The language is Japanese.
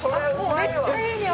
めっちゃいい匂い。